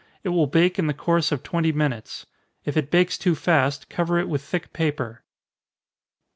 It will bake in the course of twenty minutes. If it bakes too fast, cover it with thick paper.